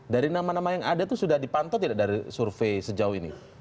dari nama nama yang ada itu sudah dipantau tidak dari survei sejauh ini